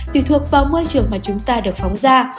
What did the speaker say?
tùy thuộc vào môi trường mà chúng ta được phóng ra